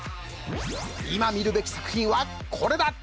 今見るべき作品はこれだ！